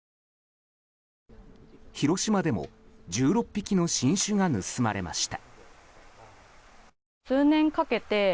広島でも１６匹の新種が盗まれました。